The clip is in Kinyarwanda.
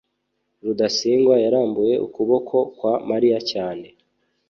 rudasingwa yarambuye ukuboko kwa mariya cyane